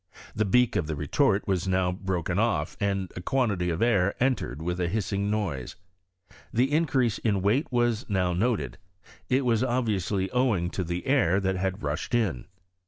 The beak of the retort was now broken off; and a quantity of air entered with a hissing noise. The increase of weight was now noted : it was ob viously owing to the air that had rushed in.